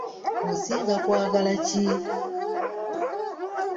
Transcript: Osinga kwagala ki?